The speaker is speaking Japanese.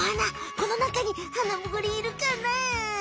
このなかにハナムグリいるかな？